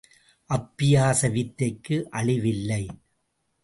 அப்பியாச வித்தைக்கு அழிவு இல்லை.